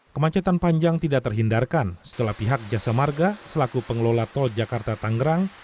kemacetan panjang tidak terhindarkan setelah pihak jasa marga selaku pengelola tol jakarta tangerang